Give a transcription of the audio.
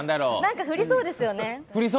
振りそうですよね？